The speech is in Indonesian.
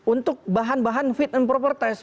untuk bahan bahan fit and proper test